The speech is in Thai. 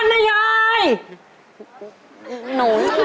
หนูได้ยิน